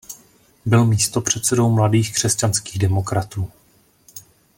Byl místopředsedou Mladých křesťanských demokratů.